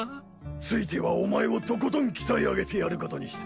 ついてはお前をとことん鍛え上げてやることにした。